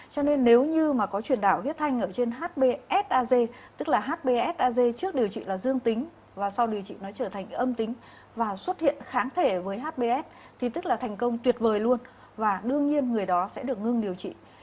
cho nên nếu như mà có truyền đảo huyết thanh ở trên hbsag tức là hbsag trước điều trị là dương tính và sau điều trị nó trở thành âm tính và xuất hiện kháng thể với hbs thì tức là thành công tuyệt vời luôn và đương nhiên người đó sẽ được ngưng điều trị